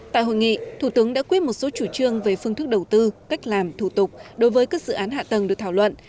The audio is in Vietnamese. tại hội nghị thủ tướng đã quyết một số chủ trương về phương thức đầu tư cách làm thủ tục đối với các dự án hạ tầng được thảo luận